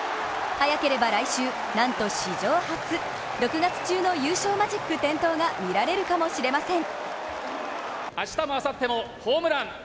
早ければ来週、なんと史上初６月中の優勝マジック点灯が見られるかもしれません。